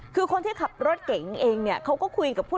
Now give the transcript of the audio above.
คือคนที่ขับรถเก๋งเองเนี่ยเขาก็คุยกับผู้